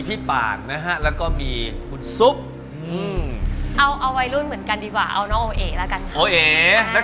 พี่ปากนะฮะแล้วก็มีสุปคิมรู้เหมือนกันดีกว่าเอาเอ๋แล้วกันเอ๋ลูกสามารถ